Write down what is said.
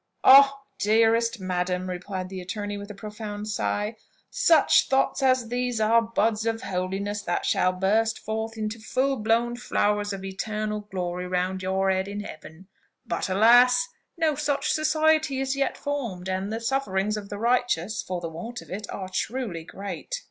"Ah, dearest madam!" replied the attorney, with a profound sigh, "such thoughts as those are buds of holiness that shall burst forth into full blown flowers of eternal glory round your head in heaven! But, alas! no such society is yet formed, and the sufferings of the righteous, for the want of it, are truly great!"